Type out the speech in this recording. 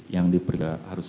yang diperkirakan harus